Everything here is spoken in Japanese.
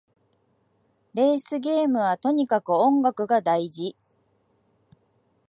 レースゲームはとにかく音楽が大事